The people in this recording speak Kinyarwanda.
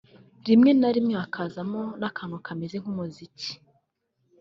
rimwe na rimwe hakazamo n’akantu kemze nk’umuziki